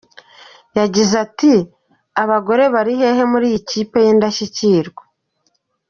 Yagize ati“Abagore bari hehe muri iyi kipe y’indashyikirwa?’’.